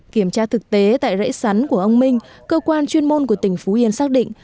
kiểm tra thực tế tại rễ sắn của ông minh cơ quan chuyên môn của tỉnh phú yên xác định